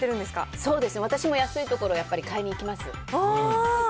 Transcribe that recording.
そうですね、私も安い所、やっぱり買いに行きます。